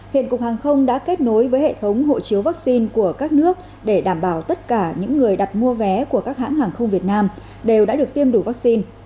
hiện cục hàng không đã kết nối với hệ thống hộ chiếu vaccine của các nước để đảm bảo tất cả những người đặt mua vé của các hãng hàng không việt nam đều đã được tiêm đủ vaccine